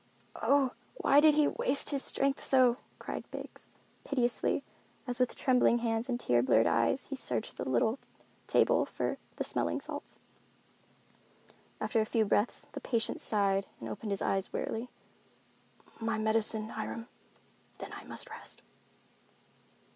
"Oh, why did he waste his strength so?" cried Biggs, piteously, as with trembling hands and tear blurred eyes he searched the little table for the smelling salts. After a few breaths, the patient sighed and opened his eyes wearily. "My medicine, Hiram, and then I must rest."